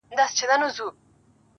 چي له بې ميني ژونده_